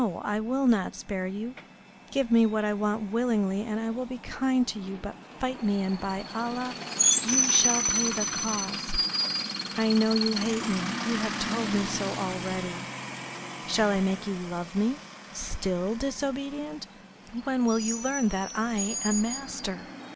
I will not spare you. Give me what I want willingly and I will be kind to you, but fight me, and by Allah! you shall pay the cost!... I know you hate me, you have told me so already. Shall I make you love me?... Still disobedient? When will you learn that I am master?...